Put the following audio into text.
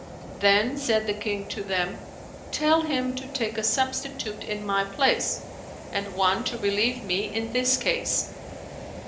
Then said the King to them, "Tell him to take a substitute[FN#456] in my place and one to relieve me in this case."